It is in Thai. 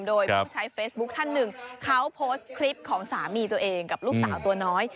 โดยผู้ใช้เฟซบุ๊คท่านหนึ่งเขาโพสต์คลิปของสามีตัวเองกับลูกสาวตัวน้อย